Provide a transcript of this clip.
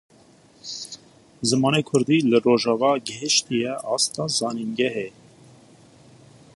Zimanê kurdî li Rojava gihîştiye asta zanîngehê.